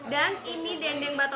dan ini dendeng batoko